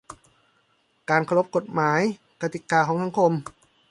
การเคารพกฎหมายกติกาของสังคม